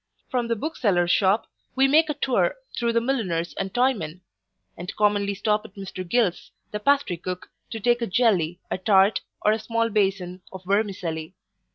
From the bookseller's shop, we make a tour through the milliners and toymen; and commonly stop at Mr Gill's, the pastry cook, to take a jelly, a tart, or a small bason of vermicelli.